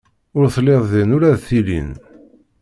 Ur telliḍ din ula d tilin.